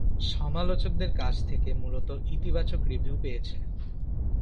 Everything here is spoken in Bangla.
সমালোচকদের কাছ থেকে মূলত ইতিবাচক রিভিউ পেয়েছে।